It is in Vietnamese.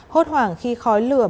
hốt hoảng khi khói lửa